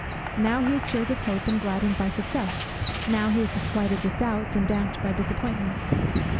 Now he is cheered with hope, and gladdened by success; now he is disquieted with doubts, and damped by disappointments.